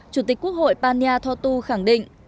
chủ tịch quốc hội pania tho tu khẳng định